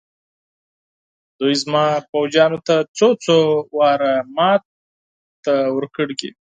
هغوی زما پوځیانو ته څو څو ځله ماتې ورکړې.